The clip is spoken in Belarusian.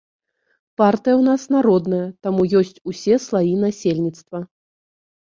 Партыя ў нас народная, таму ёсць усе слаі насельніцтва.